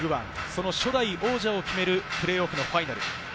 その初代王者を決めるプレーオフファイナル。